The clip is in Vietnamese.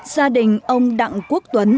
gia đình ông đặng quốc tuấn